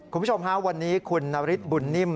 คุณผู้ชมฮะวันนี้คุณนฤทธิบุญนิ่ม